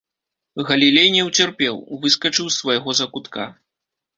Галілей не ўцерпеў, выскачыў з свайго закутка.